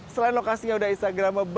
selain lokasinya udah instagramable